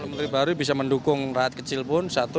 menteri baru bisa mendukung rakyat kecil pun satu